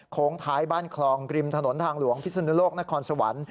ท้ายบ้านคลองริมถนนทางหลวงพิศนุโลกนครสวรรค์